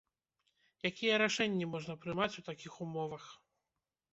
Якія рашэнні можна прымаць у такіх умовах?